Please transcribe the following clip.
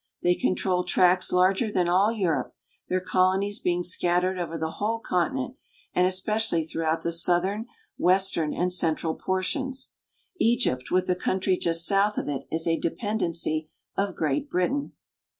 They control tracts larger than all Europe, th^ir colonies being scattered over the whole continent, and especially throughout the southern. FROM NEW YORK TO GIBRALTAR 1 3 western, and central portions. Egypt with the country just south of it is a dependency of Great Britain.